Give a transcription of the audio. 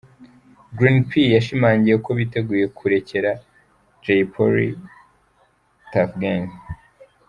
Green P yashimangiye ko biteguye kurekera Jay Polly, Tuff Gangs.